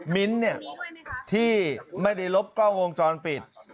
มิ้นทร์เนี่ยที่ไม่ได้ลบกล้องวงกรรมปิด